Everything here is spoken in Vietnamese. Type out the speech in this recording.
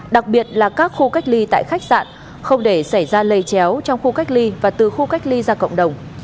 đặc biệt là các khu cách ly tại khách sạn không để xảy ra lây chéo trong khu cách ly và từ khu cách ly ra cộng đồng